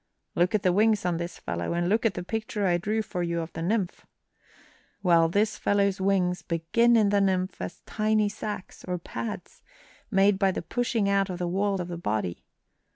Look at the wings on this fellow, and look at the picture I drew for you of the nymph. Well, this fellow's wings begin in the nymph as tiny sacs, or pads, made by the pushing out of the wall of the body.